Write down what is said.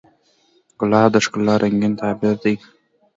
ګلاب د ښکلا رنګین تعبیر دی.